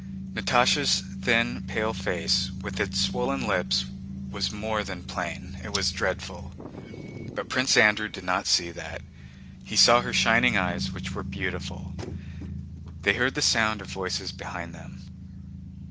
Natásha's thin pale face, with its swollen lips, was more than plain—it was dreadful. But Prince Andrew did not see that, he saw her shining eyes which were beautiful. They heard the sound of voices behind them.